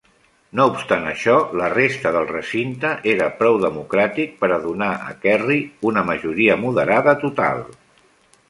No obstant això, la resta del recinte era prou democràtic per a donar a Kerry una majoria moderada total.